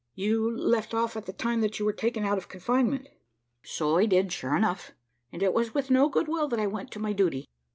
"You left off at the time that you were taken out of confinement." "So I did, sure enough; and it was with no goodwill that I went to my duty.